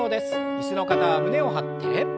椅子の方は胸を張って。